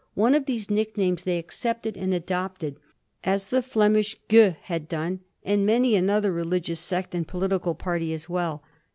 One of these nicknames they accepted and adopted; as the Flemish Giieux had done, and many an other religious sect and political party as well.